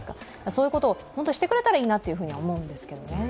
そういうことを本当にしてくれたらいいなと思うんですけどね。